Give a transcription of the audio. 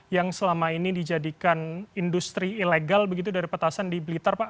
yang selama ini dijadikan industri ilegal begitu dari petasan di blitar pak